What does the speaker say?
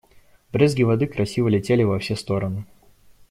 Брызги воды красиво летели во все стороны.